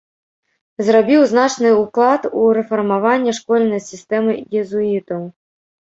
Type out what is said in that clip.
Зрабіў значны ўклад у рэфармаванне школьнай сістэмы езуітаў.